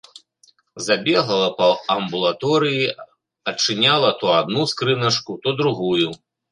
Забегала па амбулаторыі, адчыняла то адну скрыначку, то другую.